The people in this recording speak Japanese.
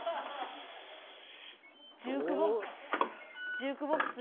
ジュークボックス。